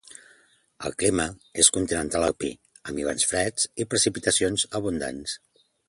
El clima és continental alpí, amb hiverns freds i precipitacions abundants.